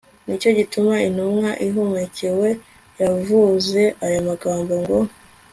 nicyo gituma intumwa ihumekewe yavuze aya magambo ngo